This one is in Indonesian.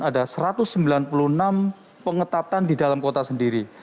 ada satu ratus sembilan puluh enam pengetatan di dalam kota sendiri